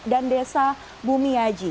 dan desa bumi yaji